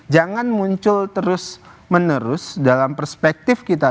jangan muncul terus menerus dalam perspektif kita